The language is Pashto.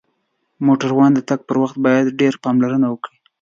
موټروانان د تک پر وخت باید ډیر پاملرنه وکړی